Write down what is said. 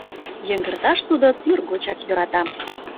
Йыҥгырташ тудо тӱргочак йӧрата.